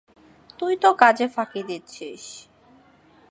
তুই তো কাজে ফাঁকি দিচ্ছিস।